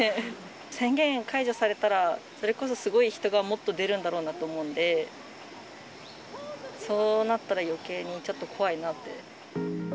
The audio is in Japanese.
宣言解除されたら、それこそすごい人がもっと出るんだろうと思うんで、そうなったらよけいにちょっと怖いなって。